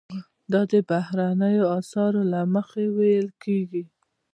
دا د بهرنیو اسعارو له مخې ویل کیږي.